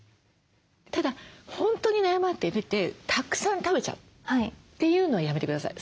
ただ本当に悩まれててたくさん食べちゃうというのはやめて下さい。